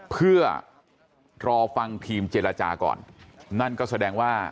เพื่อรอฟังทีมเจรจาก่อนนั่นก็แสดงว่า